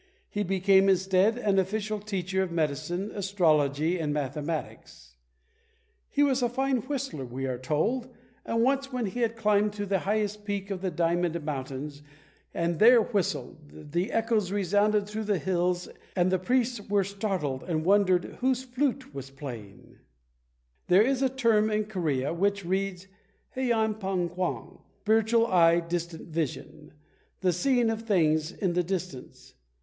He became, instead, an official teacher of medicine, astrology and mathematics. He was a fine whistler, we are told, and once when he had climbed to the highest peak of the Diamond Mountains and there whistled, the echoes resounded through the hills, and the priests were startled and wondered whose flute was playing.] [There is a term in Korea which reads he an pang kwang, "spiritual eye distant vision," the seeing of things in the distance.